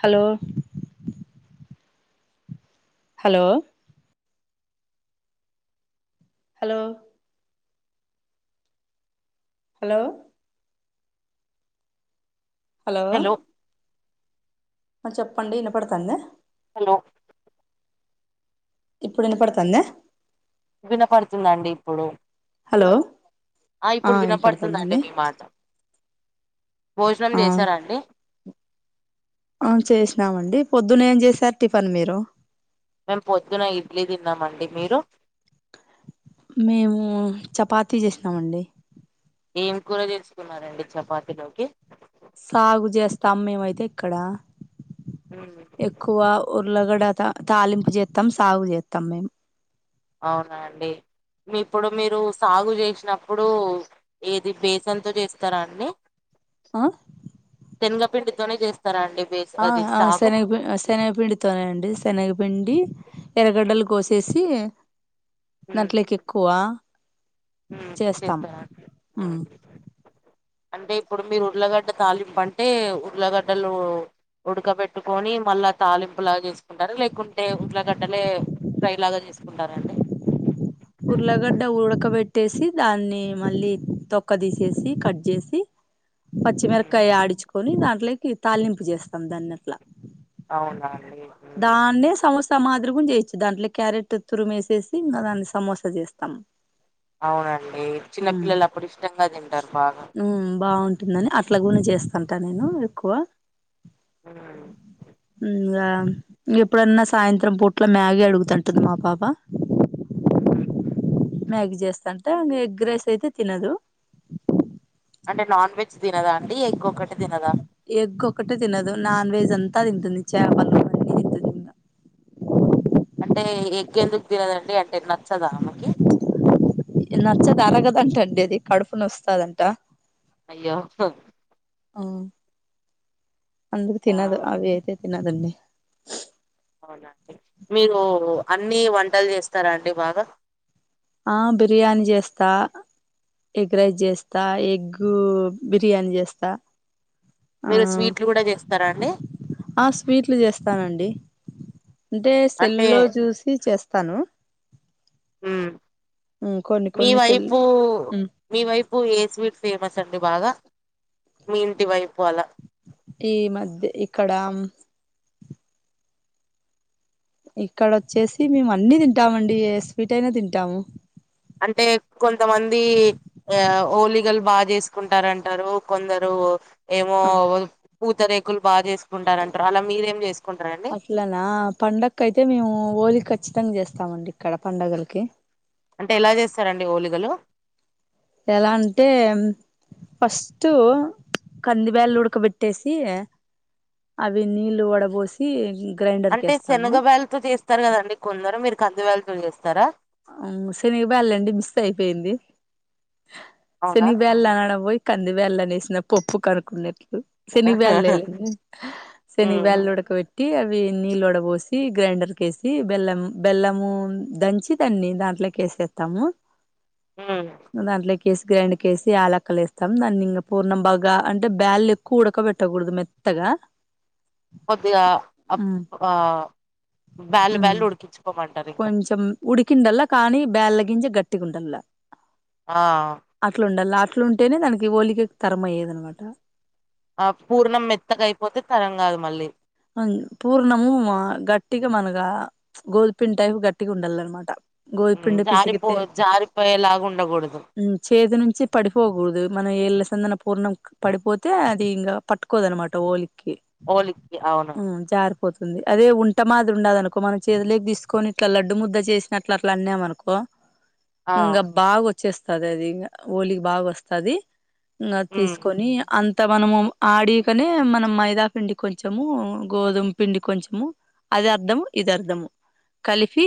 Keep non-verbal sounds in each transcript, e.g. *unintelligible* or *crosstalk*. Hello hello hello hello hello ఆ చెప్పండి వినపడతాందా హలో ఇప్పుడు వినపడుతంద్య వినపడుతుందండి ఇప్పుడు హలో ఆ ఇప్పుడు వినపడుతుందండి మీ మాట భోజనం ఆ చేసారా అండి అవున్ చేసినామండి పొద్దున ఏం చేశారు టిఫన్ మీరు మేము పొద్దున ఇడ్లీ తిన్నామండి మీరు మేము చపాతీ చేసినాం అండి ఏం కూర చేసుకున్నారండి చపాతిలోకి సాగు చేస్తాం మేమైతే ఇక్కడ ఎక్కువ ఉర్లగడత తాలింపు చేత్తం సాగు చేత్తం మేం అవునా అండి ఇప్పుడు మీరు సాగు చేసినప్పుడు ఏది బేసన్ తో చేస్తారా అండి ఆ శనగపిండితోనే చేస్తార అండి బే ఆ ఆ *unintelligible* శనగపిండితోనే అండి శనగపిండి ఎర్రగడ్డలు కోసేసి ఎక్కువ హు చేస్తాం చేస్తార ఉమ్ అంటే ఇప్పుడు మీరు ఉర్లగడ్డ తాలింపు అంటే ఉర్లగడ్డలు ఉడక పెట్టుకొని మళ్ళా తాలింపులాగా చేసుకుంటారు లేకుంటే ఊట్లగడ్డలే *unintelligible* చేసుకుంటారండి ఉర్లగడ్డ ఉడకబెట్టేసి దాన్ని మళ్ళీ తొక్క తీసేసి కట్ చేసి ఉమ్, పచ్చిమిరకాయ ఆడిచుకొని దాంట్లోకి తాళింపు చేస్తాం దాన్ని అట్ల అవునా అండి ఉమ్, దాన్నే స *unintelligible* సమాధ్రి గు చేయొచ్చు దాంట్లో క్యారెట్ తురు వేసేసి ఇంకా దాన్ని సమోసా చేస్తాం అవునండి ఉమ్ చిన్నపిల్లలు అప్పుడు ఇష్టంగా తింటారు బాగ ఉమ్ *unintelligible* అట్లా గు చేస్తంటా నేను ఎక్కువ ఆ ఇకా ఎప్పుడన్న సాయంత్రం పూట్ల మ్యాగీ అడుగుతుంటది మా పాప ఉ మ్యాగ చేస్తాంటే ఆమె ఎగ్ రైస్ అయితే తినదు అంటే నాన్ వెజ్ తినద అండి ఎగ్ ఒకటి తినదా ఎగ్ ఒకటే తినదు నాన్ వెజ్ అంతా తింటుంది చేపలు అన్నీ తింటుంది ఇంగ అంటే ఎగ్ ఎందుకు తినదండి అంటే నచ్చద ఆమెకి నచ్చదు అలాగదంట అండి అది కడుపు నొస్తాడంట అయ్యో ఆ అందుకు ఆ, తినదు అవి అయితే తినదండి అవునాండి మీరు అన్నీ వంటలు చేస్తార అండి బాగా ఆ బిర్యానీ చేస్త ఎగ్ రైస్ చేస్త ఎగ్ బిర్యానీ చేస్త మీరు స్వీట్లు కూడ చేస్తారా అండి ఆ స్వీట్లు చేస్తానండి అంటే అంటే సెలుల్ల్లో చూసి చేస్తాను ఉమ్, కొన్ని మీ కొన్ని సెల్ వైపు ఉమ్, మీ వైపు ఏ స్వీట్ ఫేమస్ అండి బాగా మీ ఇంటి వైపు అల ఈ మధ్ ఇక్కడ ఇక్కడ వచ్చేసి మేము అన్ని తింటామండి ఏ స్వీట్ అయినా తింటాము అంటే కొంతమంది ఆ ఓలిగలు బాగ చేసుకుంటారంటారు కొందరు ఏమో ఆ పూతరేకులు బా చేసుకుంటారంటారు అలా మీరేమి చేసుకుంటారండి ఇలాన పడకి అయితే మేము హఓలి ఖచ్చితంగా చేస్తామండి ఇక్కడ పండుగలకి అంటే ఎలా చేస్తారండి ఓలిగలు ఎలా అంటే ఫస్ట్ కంది బ్యాళ్లు ఉడకబెట్టేసి అవి నీళ్లు వడబోసి గ్రైండర్కి వేస్తాము ల్ చేస్ వస్తారు కదండి కొందరు మీరు కం *unintelligible* చేస్తర *unintelligible* మిస్ అయిపోయింది అవునా శని బ్యాల అడ పోయి కంది వేళ్ళనేసిన పప్పు కనుక్కున్నట్లు శని్వ వళ్లండి శనిగ మ్మ్ వల్ళడక పెట్టి అవి నీళ్ళడ పోసి గ్రైండర్ కేేసి బెల్లం బెల్లము దంచి దాన్ని దాంట్లోకి ఏసేస్తాము ఊ దాంట్లో వేసి గ్రైండ్కేసి ఆలక్కలేేస్తాం దాన్ ఇంకా పూర్ణం బాగా అంటే బ్యాల్ ఎక్కువ ఉడకబట్టకూడదు మెత్ త్తగా కొద్దిగా అప్ ఆ బ్యాల్ ఉమ్ బ్యాలు ఉడికించుకోమంటారు ఇంకా కొంచెం ఉడికిండల్లా కానీ బేల్ల గింజ గట్టిగా ఉండల ఆ అట్లా ఉండాలి అట్లుంటేనే దానికి ఓలిక తరం అయ్యేద అనమాట ఆ పూర్ణం మెత్తక అయిపోతే తరం కాదు మళ్ళీ అన్ పూర్ణము గట్టిగా మనగా ప్చ్ గోధుపిం టైపు గట్టిగా ఉండాల అనమాట ఊ జారిపో జారిపోయేలాగా ఉండకూడదు ఊ చేతి నుంచి పడిపోకూడదు మన ఏళ్ళ సందన పూర్ణం పడిపోతే అది ఇంకా పట్టుకోదు అనమాట ఓలికి ఓలికి అవును జారిపోతుంది అదే ఉంట మాదిరి ఉండదు అనుకో మనం చేతిలోకి తీసుకొని ఇట్లా లడ్డు ముద్ద చేసినట్లు అట్లా అన్నామనుకో ఆ ఇంకా బాగా వచ్చేస్తది అది ఇంకా ఓలికి బాగా వస్తది ఇ అది ఉమ్ తీసుకొని అంత మనము ఆడికనే మనం మైదా పండి కొంచము గోధుమ పిండి కొంచము అది అర్ధము ఇది అర్ధము కలిపి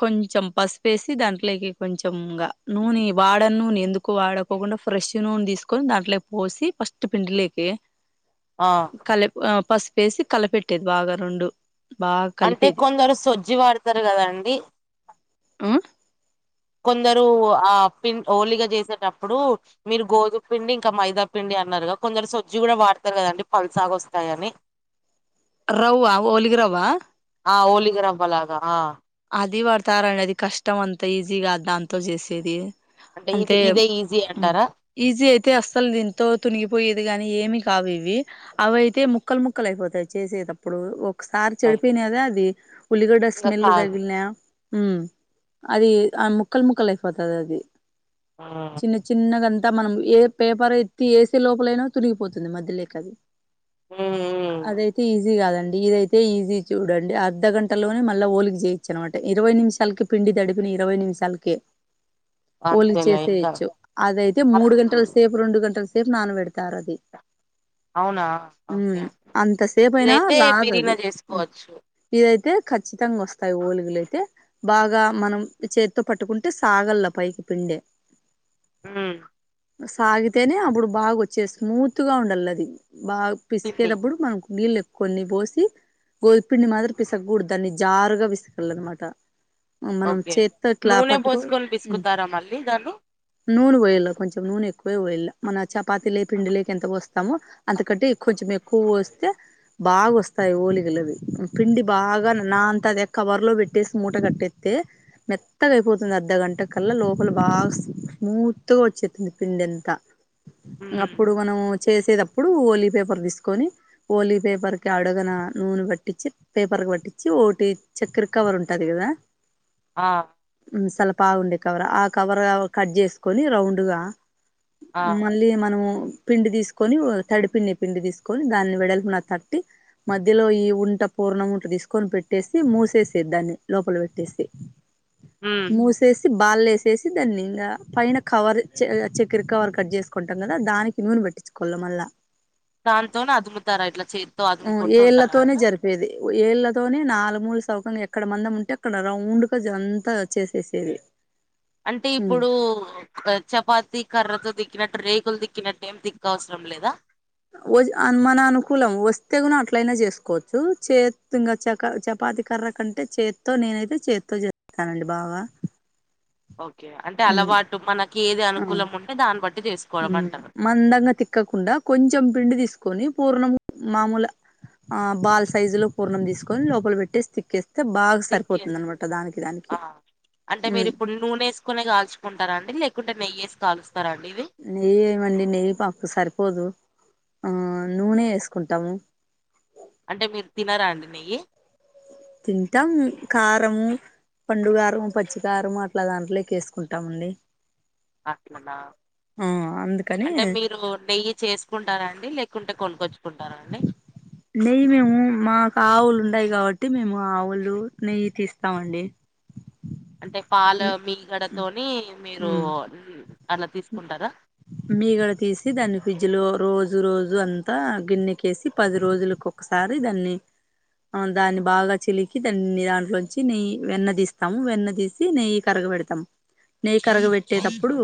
కొంచెం పసుపు ఏసి దాంట్లోకి కొంచె ఇంగ నూనె వాడ నూనె ఎందుకు ఎక్కు వాడకోకుండా ఫ్రెష్ నూనె తీసుకొని దాంట్లో పోసి ఫస్ట్ పిండిలోకి ఆ కల ఆ పసిపేసి కలపెట్టేది బాగా రెండు బాగా అంటే కలిపేది కొందరు సొజ్జి వాడతారు కద అండి ఉ కొందరు ఆ పిన్ హోలిగా చేసేటప్పుడు మీరు గోధు పిండి ఇంకా మైదా పిండి అన్నారుగా కొంచ సొజి కూడా వాడతారు కదండి పల్ సాగ వస్తాయని ర్రవ్వ ఓలికి రవ్వ ఆ ఓలిగ రవ్వలగా ఆ అది పడతారండి అది కష్టం అంతా ఈజీగా దాంతో చేసేది అంటే ఇది అంతె ఇదే ఈజీ ఉ అంటారా ఈజీ అయితే అస్సలు దీంతో తునిగిపోయేది గాని ఏమి కావు ఇవి అవయితే ముక్కలు ముక్కలు అయిపోతాయి చేసేటప్పుడు ఒ సార్ అయ్, చెడిపినద అది ఉల్లిగడ్డ ఇంకా స్మెల్ దగ్ కాదు లే ఉ అది ఆ ముక్కల్ ముక్కల్ అయి పోతది అది ఆ చిన్న చిన్నగాంతా మనం ఏ పేపర్ ఎత్తి వేసే లోపలైనా తునిగిపోతుంది మధ్యలోకది ఉమ్ ఉమ్ అదైతే ఈజీ కాదండి ఇదైత్ తె ఈజీ చూడండి అర్ధ గంటలోనే మళ్ళ ఓలికి చేయి వచ్చనమాట ఇరవై నిమిషాలకి పిండి దడిపిన ఇరవై నిమిషాలకి ఓలికి అంతేలే ఇంకా చేసేయచ్చు అదయితే మూడు గంటల సేపు రెండు గంటల సేపు నానబెడతారు అది అవునా ఊ ఓకే అంతసేపు అయినా ఇదైతే రాదు బిరీనా అది ఉ చేసుకోవచ్చు ఇదైతే ఖచ్చితంగా వస్తాయి ఓలుగలయితే బాగా మనం చేతితో పట్టుకుంటే సాగల్లా పైకి పిండే ఊ సాగితేనే అప్పుడు బాగా వచ్చే స్మూత్ గా ఉండాల అది బాగా పిండి పిసికేతప్పుడు మనం నీళ్ళు ఎ కొన్ని పోసి గోదుప్‌పిండి మాదిరి పిసకూడదు దాన్ని జారుగా పిసకాలన్నమాట మనం ఓకే చేత్తో ఇట్లా నూనె పట్టుకో పోసుకొని ఉమ్ పిసుకుతారా మళ్ళీ దాన్ని నూనె పోయ్యలా కొంచెం నూనె ఎక్కువే పొయ్యల మన చపాతిలే పిండిలేకి ఎంత పో స్తామో అంతకంటే కొంచెం ఎక్కువ పోస్తే బాగాస్తోయి హోలిగలవి పిండి బాగా నాన్తాదా కవర్‌లో పెట్టేసి మూట కట్టేత్తే మెత్తగా అయిపోతుంది అర్ధగంట కల్లా లోపల బాగా స్మూత్‌గా వచ్చేత్తుంది పిండింతా ఉమ్, అప్పుడు మనం చేసేటప్పుడు ఓలీ పేపర్ తీసుకొని ఓలీ పేపర్‌కి అడుగన నూనె పట్టిచి పేపర్‌కి పట్టిచి ఓటి చక్కర కవర్ ఉంటది కదా ఆ ఉమ్ సలపాగా ఉండే కవర్ ఆ కవర్ కట్ చేసుకొని రౌండ్‌గా ఆ మన మళ్ళి మనము పిండి తీసుకొని తడిపిండి పిండి తీసుకొని దాన్ని వెడల్పున తట్టి మధ్యలో ఈ వుంటా పూర్ణం ఇట్లా తీసుకొని పెట్టే సి మూసేసేది దాన్ని లోపల పెట్టేసి ఉమ్. మూ సేసి బాళ్ ఎసేసి దాన్ని ఇంగ పైన కవర్ చె చక్కెర కవర్ కట్ చేసుకుంటాం కదా దానికి నూనె పెట్టి చుకోవల మల్లా దాంతోనా అదుముతారా ఇట్లా చేతితో అదుముకుంటూ ఉంటారా అక్క ఏది ఏళ్ళతోనే నాలు మూస్ అవ్వకుండా ఎక్కడ మందం ఉంటే అక్కడ రౌండ్‌గా అంతా చేసేసేది అంటే ఇప్పుడు చపాతి కర్రతో దిక్కినట్టు రేకులు దిక్కినట్టు ఏమి తిక్క అవసరం లేదా ఓ మన అనుకూలం వస్తే కూనా అట్లయినా చేసుకోవచ్చు చేత్ ఇంగ చక చపాతి కర్ర కంటే చేత్తో నేనైతే చేత్తో చేస్తానండి బాగా ఓకే అంటే ఉమ్, అలవాటు మనకి ఏది అనుకూలం ఉంటే దాన్ని బట్టి చేసు ఉమ్మ్ మందంగా తిక్కకుండా కొంచెం పిండి తీసుకొని పూర్ణం మామూల ఆ బాల్ సైజులో పూర్ణం తీసుకొని లోపల పెట్టేసి తక్కేస్తే బా దిక్కే సరిపోతుంది అనమాట దానికి దానికి ఆ అంటే మీరు ఉమ్మ్ ఇప్పుడు నూనె ఏసుకునే కాల్చుకుంటారాండి లేకుంటే నెయ్యి ఏసి కాలుస్తారాండి ఇవి నెయ్యి ఏమండి నెయ్యి పాకు సరిపోదు ఆ నూనె ఏసుకుంటాము అంటే మీరు తినరాండి నెయ్యి తింటాం కారము పండుగారం పచ్చికారము అట్లా దాంట్లేకి ఏసుకుంటామండి అట్లానా అందుకని అంటే మీరు నెయ్యి చేసు కుంటారా అండి లేకుంటే కొనుకొచ్చుకుంటారా అండి *unintelligible* *inaudible* నెయ్యి మేము మాకు ఆవులు ఉండయి కాబట్టి మేము ఆవులు నెయ్యి తీస్తామండి అంటే పాల మీగడ తోని మీరు అలా తీసుకుంటారా మీగడ తీసి దాన్ని ఫ్రిడ్జ్‌లో రోజు రోజు అంతా గిన్నెకేసి పది రోజులుకు ఒక్కసారి దాన్ని ఆ దాన్ని బాగా చిలికి దాన్ని దాంట్లోంచి నెయ్యి వెన్న తీస్తాము వెన్న తి ఏసి నెయ్యి కరగబెడతాం నెయ్యి ఓకే కరగబెట్టేటప్పుడు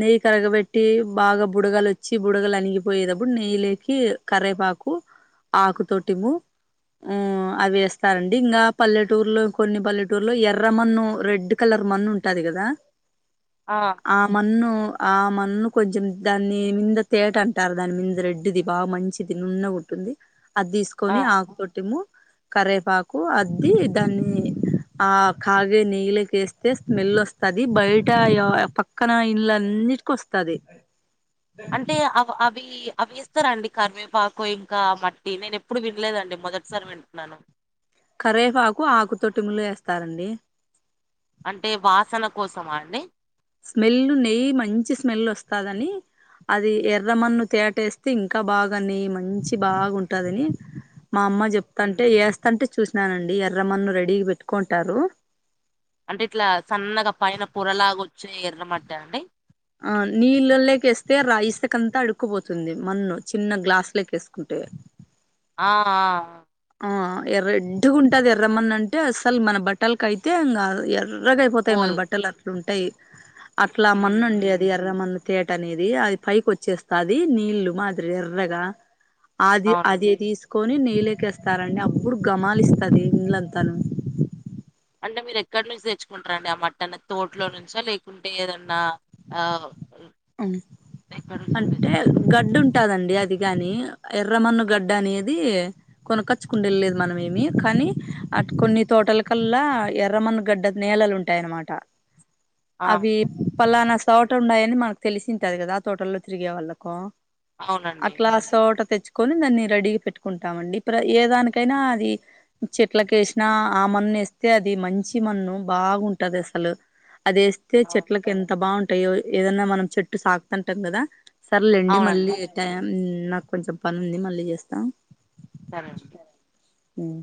నెయ్యి కరగబెట్టి బాగా బుడగలు వచ్చి బుడగలు అనిగిపోయేతప్పుడు నెయ్యి లేకి కరేపాకు ఆకుతోటిము ఉమ్మ్ అవేస్తారండి ఇంకా పల్లెటూరులో కొన్ని పల్లె టూర్లో ఎర్ర మన్ను రెడ్ కలర్ మన్ను ఉంటది కదా ఆ ఆ మన్ను ఆ మన్ను కొంచెం దాని మింద తేట అంటారు దాని మింద రెడ్డిది బాగా మంచి ది నున్నగ ఉంటుంది అది తీసుకు ఆ కొని ఆకు పొట్టిము కరవేపాకు అద్ది దాన్ని ఆ కాగే నెయ్యలకి వేస్తే స్మెల్ వస్తది బయట పక్కన ఇల్లంటికీ వస్త తది తే అవ అభి అవి ఇస్తారండి కరివేపాకు ఇంకా మట్టి నేను ఎప్పుడు వినలేదండి మొదటిసారి వింటున్నాను కరేపాకు ఆకుతోటి ముల్లు వేస్తారండి అంటే వాసన కోసమా అండి స్మెల్ నెయ్యి మంచి స్మెల్ వస్తదని అది ఎర్రమన్ను తేటేస్తే ఇంకా బాగా నెయ్యి మంచి బాగుంటదని మా అమ్మ హ్మ్. చెప్తంటే వేస్తంటే చూసినానండి ఎర్రమన్ను రెడీ పెట్టుకుంటారు అంటే ఇట్లా సన్నగా పైన పొరలాగా వచ్చి ఎర్రమాట్ట అండి ఆ నీళ్ళలోకి వేస్తే రా ఇసకంతా అడుక్కుపోతుంది మన్ను చిన్న గ్లాసులోకివేసుకుంటే ఆ ఆ ఆ ఆ ఎర్రెడ్గా ఉంటది ఎర్రమన్ను అంటే అసలు మన బట్టలకియితే ఇంకా ఎర ఎర్రగాయిపోతాయి మన పోదు బట్టలు అట్లు ఉంటాయి అట్లా మన్ను హ్మ్ అండి హ్మ్ అది ఎర్ర మన్ను తేట అనేది అది పైకి వచ్చేస్తాది నీళ్ళు మాదిరి ఎర్రగా అది అది అవునండి తీసుకొని నీళకేస్తారండి అప్పుడు గమలిస్తది ఇల్లంతాను అంటే మీరు ఎక్కడి నుంచి తెచ్చుకుంటా అండి ఆ మట్టి అనేది తోటలోనుంచా లేకుంటే ఏదన్నా ఆ ఎక్కడి నుంచి అంటే తెచ్చుకుంటారు గడ్డు ఉంట టదండి అదిగాని ఎర్రమన్నుగడ్డి అనేది కొనకొచ్చుకుండీల్లేది మనమ ఏమి కానీ అటు కొన్ని తోటల కల్లా ఎర్రమన్న గడ్డి నేలలు ఉంటాయి టాయి అనమాటా ఆ అవి పలానా సోట వుండాయని మనకు తెలిసింటది కదా తోటల్లో తిరిగే వాళ్ళకు అవునండి అట్లా సోట తెచ్చుకొని దాన్ని రెడీగా పెట్టుకుంటామండి ఇప్పుడు ఏ దానికైనా అది చెట్లకేసినా ఆ మన్ను వేస్తే అది మంచి మన్ను బాగుంటది అసలు అదేస్ అయితే ఆ, చెట్లకి ఎంత బాగుంటాయో ఏదైనా మనం చెట్టు సాకుతంటాం కదా సరలేండి మళ్ళీ అవునండి టమ్ నాకు కొంచెం పని ఉంది మళ్ళీ చేస్తా సరే అండి ఉమ్